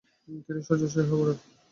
তিনি শয্যাশায়ী হয়ে পড়েন।